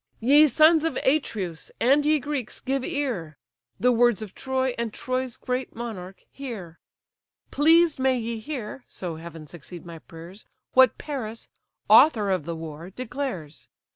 "Ye sons of Atreus, and ye Greeks, give ear! The words of Troy, and Troy's great monarch, hear. Pleased may ye hear (so heaven succeed my prayers) What Paris, author of the war, declares.